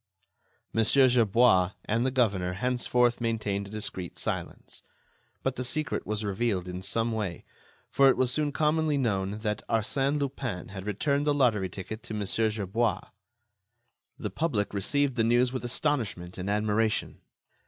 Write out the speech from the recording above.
Mon. Gerbois and the governor henceforth maintained a discreet silence. But the secret was revealed in some way, for it was soon commonly known that Arsène Lupin had returned the lottery ticket to Mon. Gerbois. The public received the news with astonishment and admiration.